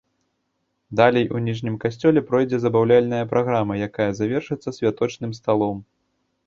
Далей у ніжнім касцёле пройдзе забаўляльная праграма, якая завершыцца святочным сталом.